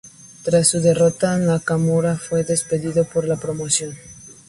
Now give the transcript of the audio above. Tras su derrota, Nakamura fue despedido por la promoción.